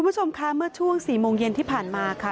คุณผู้ชมค่ะเมื่อช่วง๔โมงเย็นที่ผ่านมาค่ะ